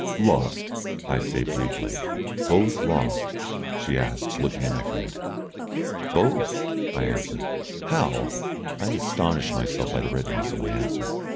"Lost," I say, briefly. "Both lost?" she asks, looking at my friend. "Both," I answer. "How?" I astonish myself by the readiness of my answer.